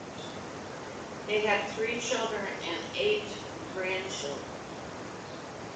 They had three children and eight grandchildren.